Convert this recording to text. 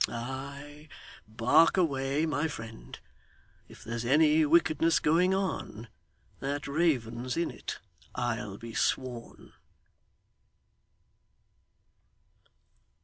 Ay, bark away, my friend. If there's any wickedness going on, that raven's in it, I'll be sworn.